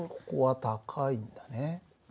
ここは「高い」だね。